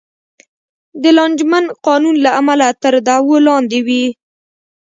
د لانجمن قانون له امله تر دعوو لاندې وې.